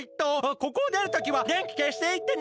ここをでるときはでんきけしていってね。